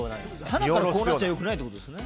はなからこうなっちゃ良くないということですね。